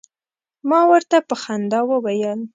ما ورته په خندا وویل.